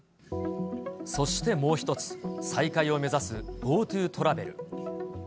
そしてもう一つ、再開を目指すＧｏＴｏトラベル。